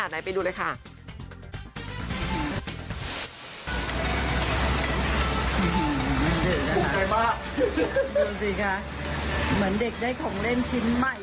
เหมือนเด็กได้ของเล่นชิ้นใหม่